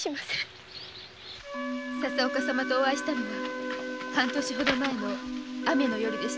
佐々岡様とお会いしたのは半年ほど前の雨の夜でした。